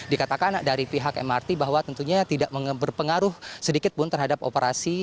dikatakan dari pihak mrt bahwa tentunya tidak berpengaruh sedikit pun terhadap operasi